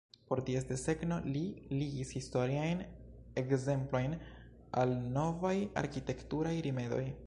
Por ties desegno li ligis historiajn ekzemplojn al novaj arkitekturaj rimedoj.